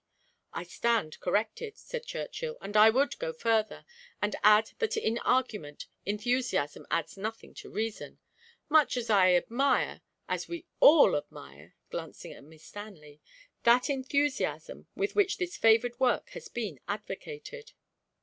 "I stand corrected," said Churchill, "and I would go further, and add that in argument enthusiasm adds nothing to reason much as I admire, as we all admire," glancing at Miss Stanley, "that enthusiasm with which this favoured work has been advocated!"